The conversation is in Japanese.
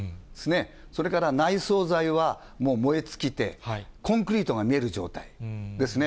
それから内装材は燃え尽きて、コンクリートが見える状態ですね。